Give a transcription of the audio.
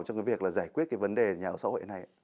trong cái việc là giải quyết cái vấn đề nhà ở xã hội này